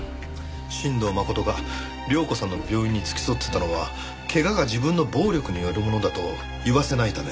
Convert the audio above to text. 新堂誠が亮子さんの病院に付き添っていたのは怪我が自分の暴力によるものだと言わせないため。